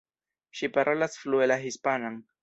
Ŝi parolas flue la hispanan.